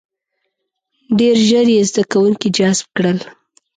• ډېر ژر یې زده کوونکي جذب کړل.